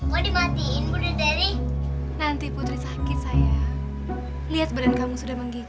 mau dimatiin boleh dari nanti putri sakit saya lihat badan kamu sudah menggigit